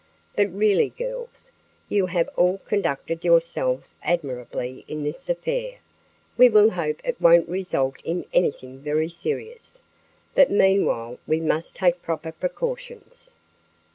But really, girls, you have all conducted yourselves admirably in this affair. We will hope it won't result in anything very serious, but meanwhile we must take proper precautions."